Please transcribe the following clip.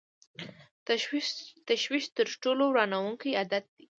تشویش تر ټولو ورانوونکی عادت دی.